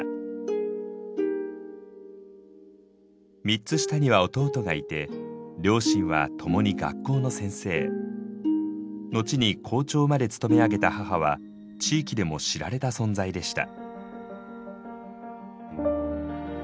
３つ下には弟がいて両親はともに学校の先生。後に校長まで務め上げた母は地域でも知られた存在でした。